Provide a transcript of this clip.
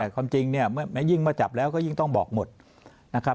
ความจริงเนี่ยแม้ยิ่งมาจับแล้วก็ยิ่งต้องบอกหมดนะครับ